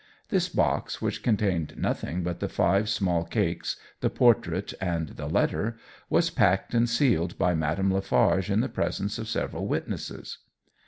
This box, which contained nothing but the five small cakes, the portrait, and the letter, was packed and sealed by Madame Lafarge in the presence of several witnesses.